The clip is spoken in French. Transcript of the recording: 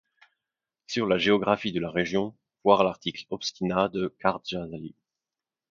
Sur la géographie de la région, voir l’article obština de Kărdžali.